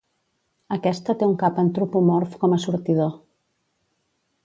Aquesta té un cap antropomorf com a sortidor.